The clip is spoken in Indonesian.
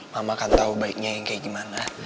mama kan tau baiknya yang kayak gimana